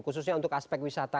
khususnya untuk aspek wisata